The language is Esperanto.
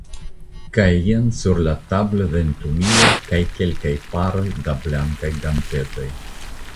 Kaj jen sur la tablo ventumilo kaj kelkaj paroj da blankaj gantetoj.